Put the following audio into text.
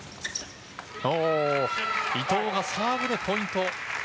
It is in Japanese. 伊藤がサーブでポイント。